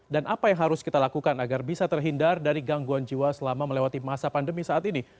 dan apa yang harus kita lakukan agar bisa terhindar dari gangguan jiwa selama melewati masa pandemi saat ini